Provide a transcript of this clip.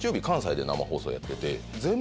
関西で生放送やってて。